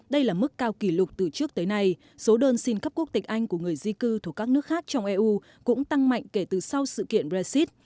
đây là mức cao kỷ lục từ trước tới nay số đơn xin cấp quốc tịch anh của người di cư thuộc các nước khác trong eu cũng tăng mạnh kể từ sau sự kiện brexit